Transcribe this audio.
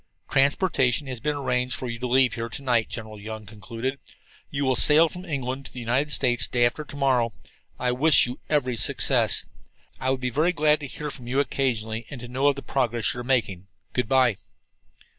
"Transportation has been arranged for you to leave here to night," General Young concluded. "You will sail from England for the United States day after to morrow. I wish you every success. I would be very glad to hear from you occasionally, and to know of the progress you are making. Good by!"